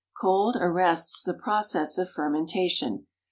Cold arrests the process of fermentation.